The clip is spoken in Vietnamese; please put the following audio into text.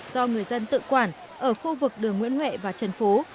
do người dân tự quản ở khu vực đường nguyễn huệ và trần phú